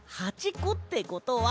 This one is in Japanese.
こってことは。